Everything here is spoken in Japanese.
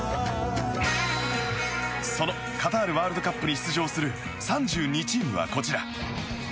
そのカタールワールドカップに出場する３２チームはこちら。